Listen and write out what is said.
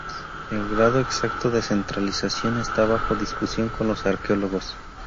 El grado exacto de centralización está bajo discusión con los arqueólogos.